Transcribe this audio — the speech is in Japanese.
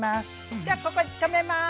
じゃここで止めます。